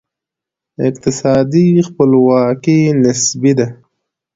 اقتصادي خپلواکي نسبي ده.